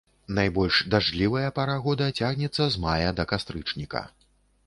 Найбольш дажджлівая пара года цягнецца з мая да кастрычніка.